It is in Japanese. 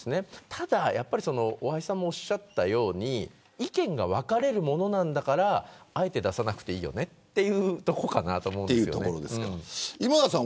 ただ大橋さんもおっしゃったように意見が分かれるものなんだからあえて出さなくていいよねというところだと思います。